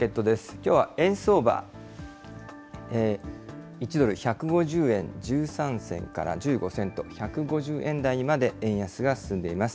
きょうは円相場、１ドル１５０円１３銭から１５銭と、１５０円台にまで円安が進んでいます。